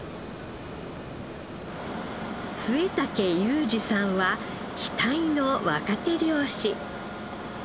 末竹雄次さんは期待の若手漁師。